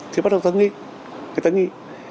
thì bắt đầu tấn nghi